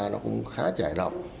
nó cũng khá chảy động